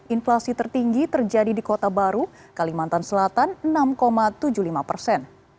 inflasi tertinggi terjadi di kota baru kalimantan selatan enam tujuh puluh lima persen